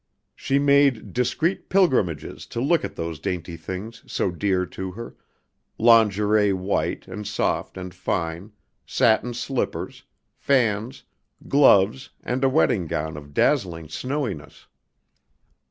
She made discreet pilgrimages to look at those dainty things so dear to her, lingerie white and soft and fine, satin slippers, fans, gloves and a wedding gown of dazzling snowiness.